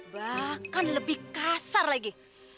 bahkan lebih kasar lagi